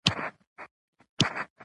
لمریز ځواک د افغانستان د زرغونتیا نښه ده.